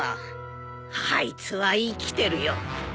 あいつは生きてるよ。